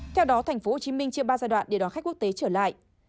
theo đó tp hcm chia ba giai đoạn để đón khách quốc tế trở lại